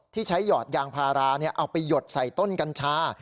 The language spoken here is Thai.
ที่ใช้หยอดยางพาราเอาไปหยดใส่ต้นกัญชา